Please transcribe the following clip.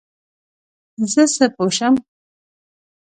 زه څه پوه شم ؟